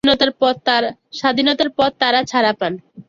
স্বাধীনতার পর তারা ছাড়া পান।